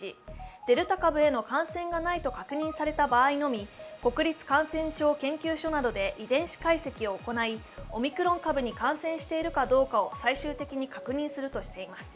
デルタ株への感染がないと確認された場合のみ国立感染症研究所などで遺伝子解析を行いオミクロン株に感染しているかどうかを最終的に確認するとしています。